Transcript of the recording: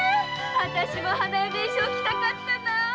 私も花嫁衣装着たかったな。